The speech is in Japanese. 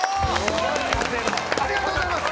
ありがとうございます！